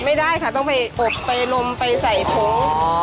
ไม่ได้ค่ะต้องไปอบไปลมไปใส่ผง